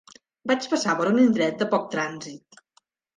Vaig passar per un indret de poc trànsit